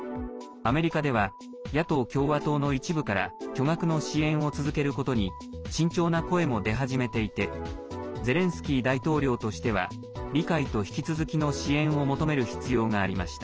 アメリカでは野党・共和党の一部から巨額の支援を続けることに慎重な声も出始めていてゼレンスキー大統領としては理解と引き続きの支援を求める必要がありました。